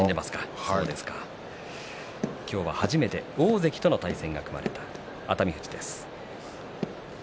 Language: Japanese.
今日は初めて大関との対戦が組まれている熱海富士です。